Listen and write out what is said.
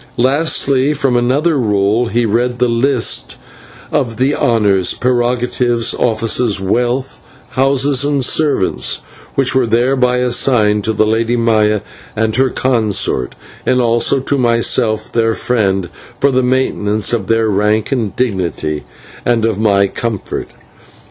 Lastly, from another roll he read the list of the honours, prerogatives, offices, wealth, houses, and servants which were thereby assigned to the Lady Maya and her consort, and also to myself their friend, for the maintenance of their rank and dignity and of my comfort.